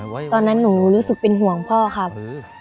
ตอนนั้นหนูรู้สึกเป็นห่วงพ่อครับ